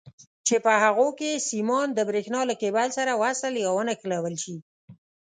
چې په هغو کې سیمان د برېښنا له کیبل سره وصل یا ونښلول شي.